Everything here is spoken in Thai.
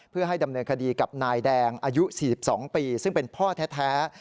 เพื่อให้ดำเนินคดีกับนายแดงอายุ๔๒ปีซึ่งเป็นพ่อแท้